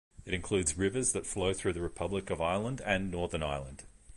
It includes rivers that flow through the Republic of Ireland and Northern Ireland.